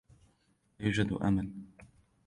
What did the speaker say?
لا يوجد أمل.